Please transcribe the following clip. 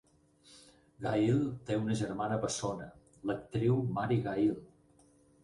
Gail té una germana bessona, l'actriu Mary Gail.